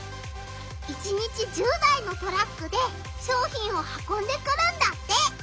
１日１０台のトラックで商品をはこんでくるんだって！